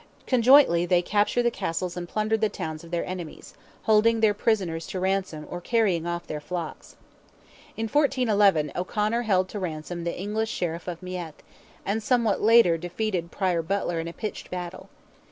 Conjointly they captured the castles and plundered the towns of their enemies, holding their prisoners to ransom or carrying off their flocks. In 1411 O'Conor held to ransom the English Sheriff of Meath, and somewhat later defeated Prior Butler in a pitched battle.